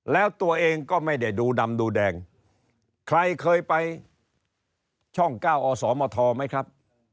แล้วตัวเองก็ไม่ได้ดูดำดูแดงใครเคยไปช่องเก้าอสมทไหมครับ